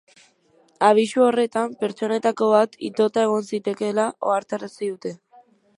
Abisu horretan pertsonetako bat itota egon zitekeela ohartarazi dute.